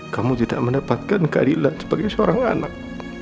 kamu tidak mendapatkan keadilan sebagai seorang anak